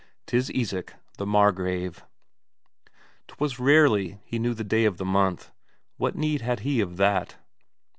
'Tis Isak, the Margrave. 'Twas rarely he knew the day of the month what need had he of that?